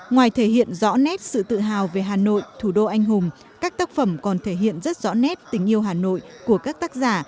ngoài thể hiện rõ nét sự tự hào về hà nội thủ đô anh hùng các tác phẩm còn thể hiện rất rõ nét tình yêu hà nội của các tác giả